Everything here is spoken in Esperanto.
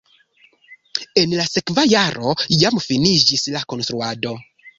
En la sekva jaro jam finiĝis la konstruado.